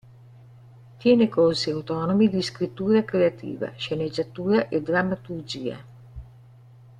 Tiene corsi autonomi di scrittura creativa, sceneggiatura e drammaturgia.